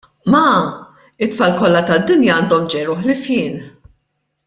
" Ma, t-tfal kollha tad-dinja għandhom ġeru ħlief jien. "